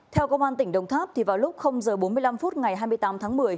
theo công an tỉnh đồng tháp vào lúc h bốn mươi năm phút ngày hai mươi tám tháng một mươi